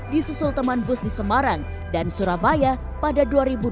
disusul teman bus di semarang dan surabaya pada dua ribu dua puluh lima